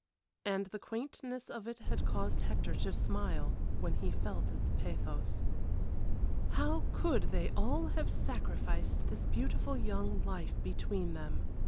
And the quaintness of it caused Hector to smile while he felt its pathos. How could they all have sacrificed this beautiful young life between them!